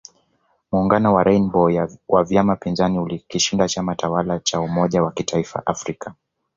Muungano wa Rainbow wa vyama pinzani ulikishinda chama tawala cha umoja wa kitaifa Afrika